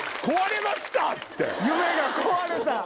「夢」が壊れた！